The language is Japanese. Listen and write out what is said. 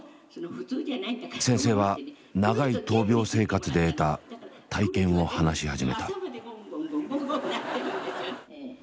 先生は長い闘病生活で得た体験を話し始めた。